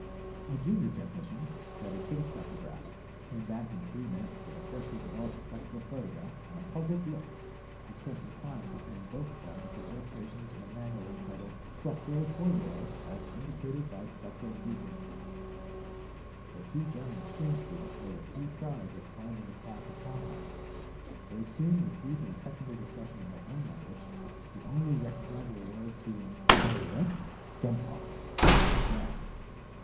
A junior technician headed for the spectrograph, came back in three minutes with a freshly developed spectral photograph and a puzzled look. He spent some time comparing both of them with the illustrations in a manual entitled Structural Formulae as Indicated by Spectral Groupings. The two German exchange students made a few tries at finding the class of compound. They soon were deep in a technical discussion in their own language, the only recognizable words being "biuret," "dumkopf," and "damn."